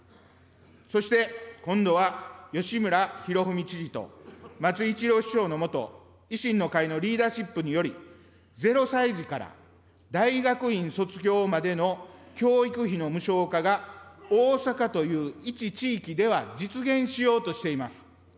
そして今度は、吉村洋文知事と、松井一郎市長の下、維新の会のリーダーシップにより、ゼロ歳児から大学院卒業までの教育費の無償化が、大阪という一地域では実現しようとしています。